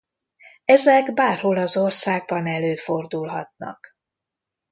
Ezek bárhol az országban előfordulhatnak.